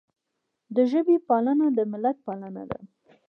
د ژبې پالنه د ملت پالنه ده.